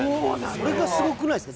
それがすごくないですか？